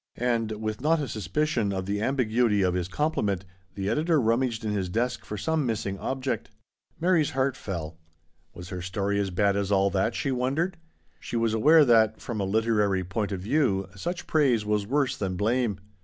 And with not a suspicion of the ambiguity of his compliment, the editor rummaged in his desk for some missing object. Mary's heart fell. Was her story as bad as all that, she wondered? She was quite aware that, from a literary point of view, such praise was worse than blame.